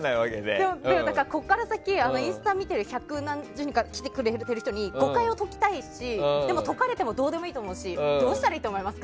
でも、ここから先インスタ見てる方に誤解を解きたいし解かれてもどうでもいいと思うしどうしたらいいと思いますか？